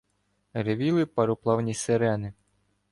Ревіли пароплавні сирени.